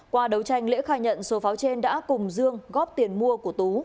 qua đấu tranh lễ khai nhận số pháo trên đã cùng dương góp tiền mua của tú